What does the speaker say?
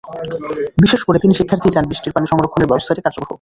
বিশেষ করে তিন শিক্ষার্থীই চান বৃষ্টির পানি সংরক্ষণের ব্যবস্থাটি কার্যকর হোক।